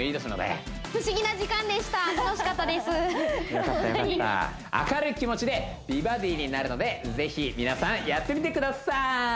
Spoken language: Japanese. よかったよかった明るい気持ちで美バディになるのでぜひ皆さんやってみてください